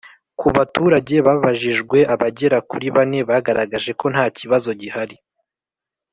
Ku baturage babajijwe abagera kuri bane bagaragaje ko ntakibazo gihari.